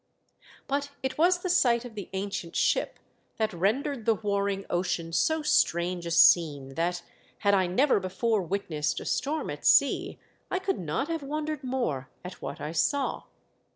But it was the sight of the ancient ship that rendered the warring ocean so strange a scene that, had I never before witnessed a storm at sea, I could not have wondered more at what I saw.